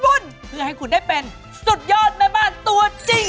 บุญเพื่อให้คุณได้เป็นสุดยอดแม่บ้านตัวจริง